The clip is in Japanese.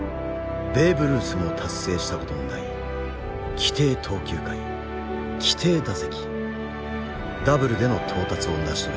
ベーブ・ルースも達成したことのない規定投球回規定打席ダブルでの到達を成し遂げた。